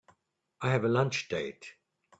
I have a lunch date.